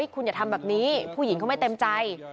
คุณอย่าทำแบบนี้ผู้หญิงเขาไม่เต็มใจ